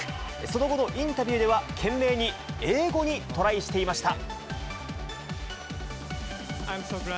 その後のインタビューでは、懸命に英語にトライしていました。